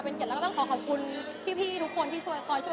เป็นเกียรติแล้วก็ต้องขอขอบคุณพี่ทุกคนที่ช่วยคอยช่วย